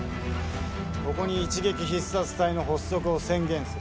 ここに一撃必殺隊の発足を宣言する！